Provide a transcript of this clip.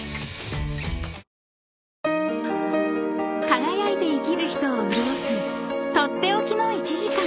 ［輝いて生きる人を潤す取って置きの１時間］